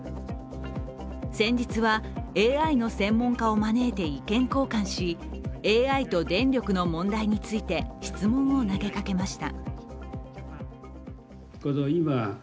先日は、ＡＩの専門家を招いて意見交換しＡＩと電力の問題について質問を投げかけました。